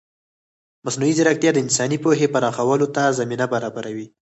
مصنوعي ځیرکتیا د انساني پوهې پراخولو ته زمینه برابروي.